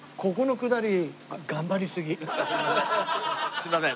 すいません。